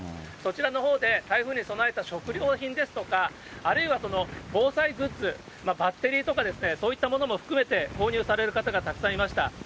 そちらのほうで台風に備えた食料品ですとか、あるいは防災グッズ、バッテリーとかそういったものも含めて購入される方がたくさんいました。